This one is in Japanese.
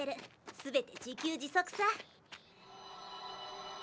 全て自給自足さ。